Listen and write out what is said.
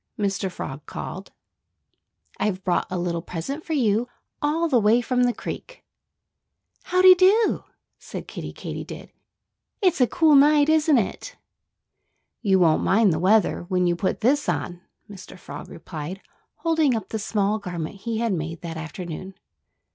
Mr. Frog called. "I've brought a little present for you, all the way from the creek." "How dy do!" said Kiddie Katydid. "It's a cool night, isn't it?" "You won't mind the weather when you put this on," Mr. Frog replied, holding up the small garment he had made that afternoon.